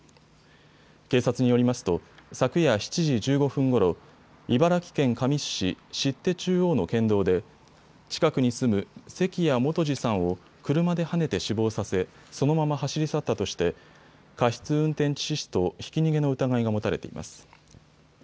警察によりますと昨夜７時１５分ごろ、茨城県神栖市知手中央の県道で近くに住む関矢元治さんを車ではねて死亡させそのまま走り去ったとして過失運転致死とひき逃げの疑いが持たれています。